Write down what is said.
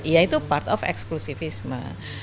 ya itu part of eksklusifisme